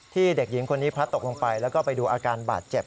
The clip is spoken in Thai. เด็กหญิงคนนี้พลัดตกลงไปแล้วก็ไปดูอาการบาดเจ็บ